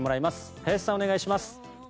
林さんお願いします。